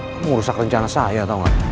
kamu rusak rencana saya tau gak